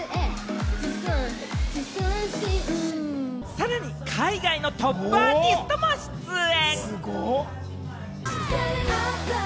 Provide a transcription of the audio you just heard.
さらに海外のトップアーティストも出演。